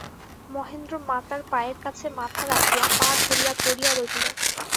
মহেন্দ্র মাতার পায়ের কাছে মাথা রাখিয়া পা ধরিয়া পড়িয়া রহিল।